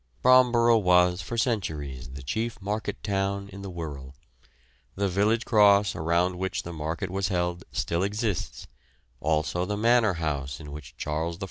Bromborough was for centuries the chief market town in the Wirral; the village cross around which the market was held still exists, also the manor house in which Charles I.